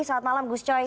selamat malam gus coy